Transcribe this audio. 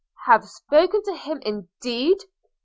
'Have spoken to him, indeed!